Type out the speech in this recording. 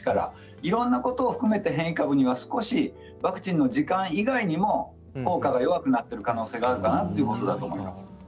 いろんなことを含めて変異株には少しワクチンの時間以外にも効果が弱くなっている可能性があるかなということだと思います。